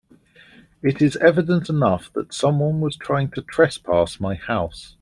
It is evident enough that someone was trying to trespass my house.